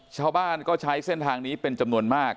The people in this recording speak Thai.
ชาวบ้านก็ใช้เส้นทางนี้เป็นจำนวนมาก